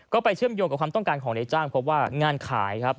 ก็ไปเชื่อมโยงกับความต้องการของในจ้างพบว่างานขายครับ